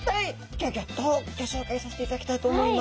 ギョギョッとギョ紹介させていただきたいと思います。